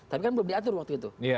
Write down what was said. itu yang belum diatur waktu itu